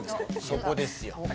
そこですよ。